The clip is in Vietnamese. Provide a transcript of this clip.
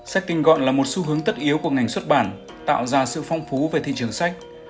sách tinh gọn là một xu hướng tất yếu của ngành xuất bản tạo ra sự phong phú về thị trường sách